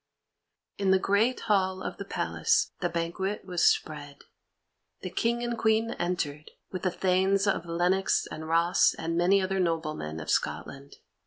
In the great hall of the palace the banquet was spread. The King and Queen entered, with the Thanes of Lennox and Ross and many other noblemen of Scotland.